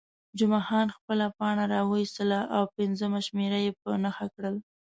جمعه خان خپله پاڼه راویستل او پنځمه شمېره یې په نښه کړل.